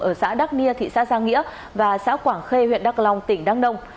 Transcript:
ở xã đắc nia thị xã giang nghĩa và xã quảng khê huyện đắc long tỉnh đăng đông